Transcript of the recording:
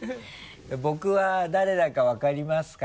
僕は誰だか分かりますか？